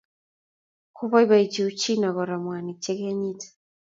kiboibochi Uchina kora mwanik che kenyit.